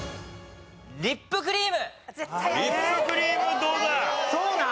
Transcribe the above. リップクリームどうだ？